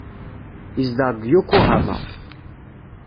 Yezdeɣ deg Yokohama.